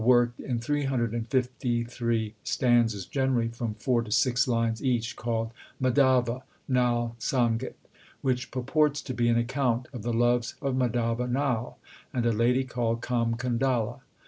1583) wrote a work in 353 stanzas generally from four to six lines each, called Madhava Nal Sangit , which purports to be an account of the loves of Madhava Nal and a lady called Kam Kandala.